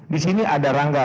di sini ada rangga